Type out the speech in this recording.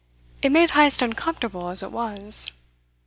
It made Heyst uncomfortable, as it was.